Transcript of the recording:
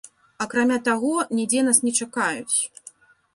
Акрамя таго, нідзе нас не чакаюць.